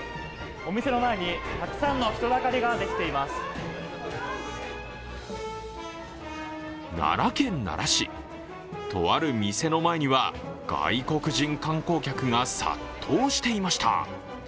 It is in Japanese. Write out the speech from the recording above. お店の前にたくさんの人だかりができています奈良県奈良市、とある店の前には外国人観光客が殺到していました。